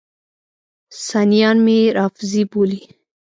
سنیان مې رافضي بولي.